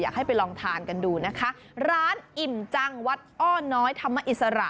ให้ไปลองทานกันดูนะคะร้านอิ่มจังวัดอ้อน้อยธรรมอิสระ